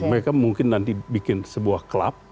mereka mungkin nanti bikin sebuah klub